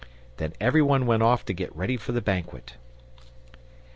Then every one went off to get ready for the banquet.